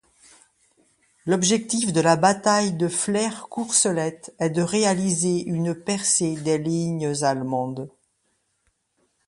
L'objectif de la bataille de Flers-Courcelette est de réaliser une percée des lignes allemandes.